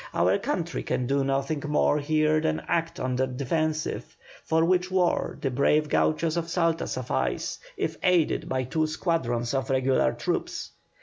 Our country can do nothing more here than act on the defensive, for which war the brave Gauchos of Salta suffice, if aided by two squadrons of regular troops.